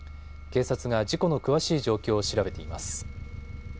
警察が事故の詳しい状況を調べています。